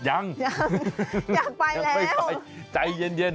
ยังยังไปแล้วไม่ไปใจเย็น